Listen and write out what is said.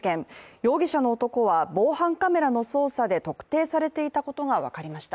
容疑者の男は防犯カメラの捜査で特定されていたことが分かりました。